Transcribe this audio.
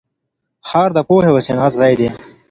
ښار د پوهې او صنعت ځای دی.